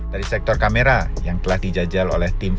dari sektor kamera yang telah dijajal oleh tim